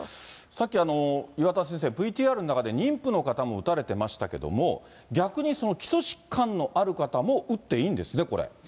さっき岩田先生、ＶＴＲの中で妊婦の方も打たれてましたけども、逆に基礎疾患のある方も打っていいんですね、これ。